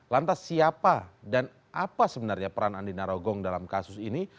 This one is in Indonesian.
lantas siapa dan apa sebenarnya peran andi narogong dalam kasus ini